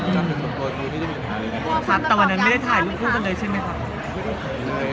จัดรูปทุกนี้ไม่มีปัญหาเลย